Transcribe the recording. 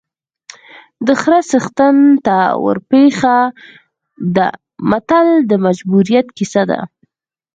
د خره څښتن ته ورپېښه ده متل د مجبوریت کیسه ده